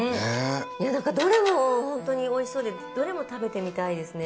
いやなんかどれもホントにおいしそうでどれも食べてみたいですね。